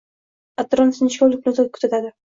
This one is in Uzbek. Atrofni sinchkovlik bilan kuzatadi